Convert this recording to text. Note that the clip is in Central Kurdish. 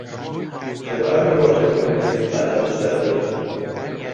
تەواوی ڕۆژەکەم لە کتێبخانە بەسەر برد.